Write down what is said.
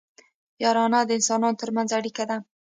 یارانه د انسانانو ترمنځ اړیکه ده